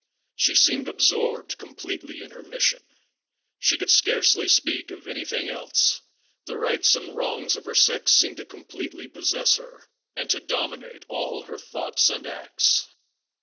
She seemed absorbed completely in her mission. She could scarcely speak of anything else. The rights and wrongs of her sex seemed to completely possess her and to dominate all her thoughts and acts.